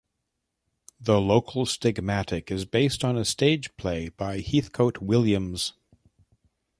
"The Local Stigmatic" is based on a stage play by Heathcote Williams.